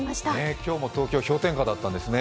今日も東京、氷点下だったんですね。